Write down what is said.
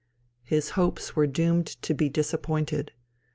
His hopes were doomed to be disappointed.